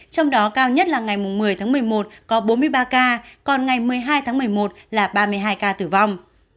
trong đó cao nhất là ngày một mươi tháng một mươi một có bốn mươi ba ca còn ngày một mươi hai tháng một mươi một là ba mươi hai ca tử vong